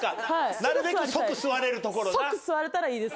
なるべく即座れるところな。